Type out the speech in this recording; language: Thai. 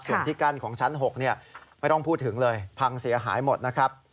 ส่วนที่กั้นของชั้น๖ไม่ต้องพูดถึงเลยพังเสียหายหมดนะครับ